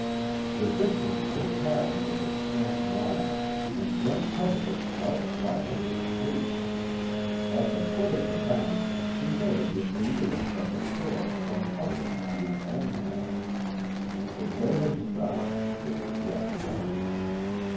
The distance to the cabin was a scant mile, and Brent covered it without slackening his pace. At the foot of the bank, he noted with relief that the trail swung upward to his own cabin. If they had stopped, there was yet time.